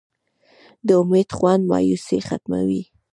د امید خوند مایوسي ختموي.